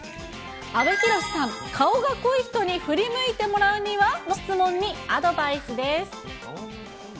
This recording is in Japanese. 阿部寛さん、顔が濃い人に振り向いてもらうには、の質問にアドバイスです。